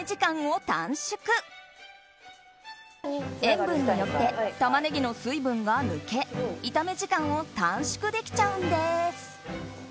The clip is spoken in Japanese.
塩分によってタマネギの水分が抜け炒め時間を短縮できちゃうんです。